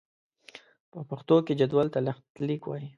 په پښتو کې جدول ته لښتليک وايي.